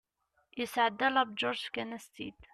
yesɛedda la bǧurse fkan-as-tt-id